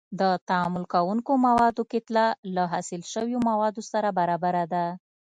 د تعامل کوونکو موادو کتله له حاصل شویو موادو سره برابره ده.